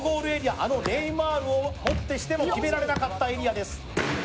あのネイマールをもってしても決められなかったエリアです。